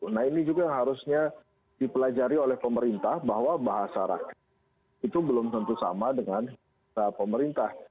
nah ini juga yang harusnya dipelajari oleh pemerintah bahwa bahasa rakyat itu belum tentu sama dengan pemerintah